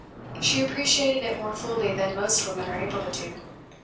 She appreciated it more fully than most women are able to do.